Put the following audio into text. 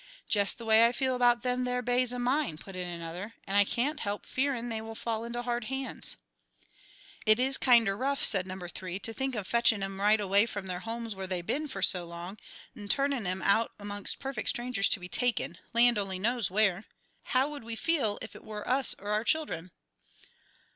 "Jest the way I feel about them there bays 'o mine," put in another, "and I can't help fearin' they will fall into hard hands." "It is kinder rough," said number three, "to think of fetchin' 'em right away from their homes where they been fer so long, 'nd turnin' 'em out amongst perfect strangers to be taken, land only knows where. How would we feel if it were us or our children?"